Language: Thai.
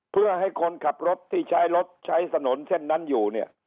เพื่อให้คนขับรถที่ใช้รถใช้ถนนเส้นนั้นอยู่เนี่ย